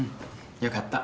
よかった。